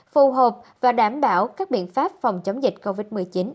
phù hợp và đảm bảo các biện pháp phòng chống dịch covid một mươi chín